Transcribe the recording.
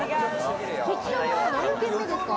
こちらは何軒目ですか？